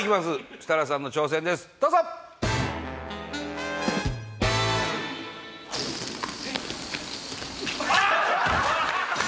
設楽さんの挑戦ですどうぞあっ！